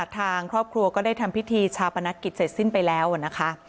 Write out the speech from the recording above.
ทางครอบครัวก็ได้ทำพิธีชาปนกิจเสร็จสิ้นไปแล้วนะคะ